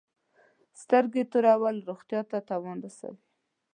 سترګي تورول روغتیا ته تاوان رسوي.